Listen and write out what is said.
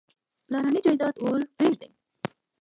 پلرنی جایداد ورپرېږدي.